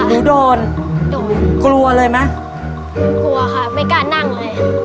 หนูโดนโดนกลัวเลยไหมหนูกลัวค่ะไม่กล้านั่งเลย